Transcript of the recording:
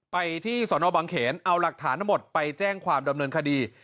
ไปที่สนบังเขนเอาหลักฐานทั้งหมดไปแจ้งความดำเนินคดี